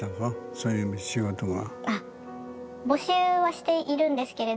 そういう仕事が。